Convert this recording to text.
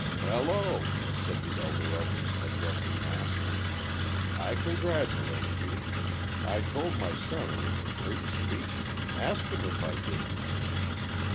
"Hello!" said the elder of them, addressing Master. "I congratulate you. I told my son it was a great speech. Ask him if I didn't."